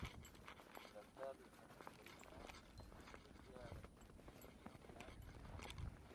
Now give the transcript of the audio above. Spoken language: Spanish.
En el altar de Santa Caterina, aparece la siguiente inscripción: "Blas Estruch.